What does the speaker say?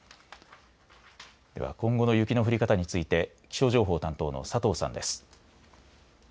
では今後の雪の降り方について気象情報担当の佐藤さんです。